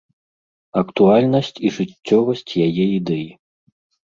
Актуальнасць і жыццёвасць яе ідэй.